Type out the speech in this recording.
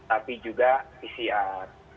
tapi juga isiat